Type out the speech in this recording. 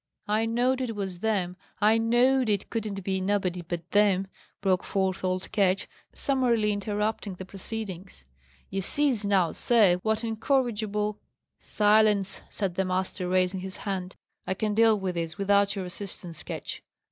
"I knowed it was them! I knowed it couldn't be nobody but them!" broke forth old Ketch, summarily interrupting the proceedings. "You sees now, sir, what incorrigible " "Silence!" said the master, raising his hand. "I can deal with this without your assistance, Ketch.